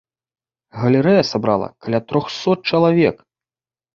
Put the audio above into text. Галерэя сабрала каля трохсот чалавек.